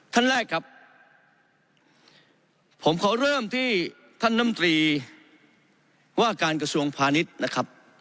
ท่านแรกครับผมขอเริ่มที่ท่านน้ำตรีว่าการกระทรวงพาณิชย์นะครับ